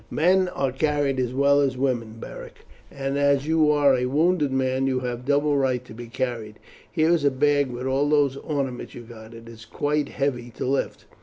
"Men are carried as well as women, Beric, and as you are a wounded man you have a double right to be carried. Here is a bag with all those ornaments you got. It is quite heavy to lift."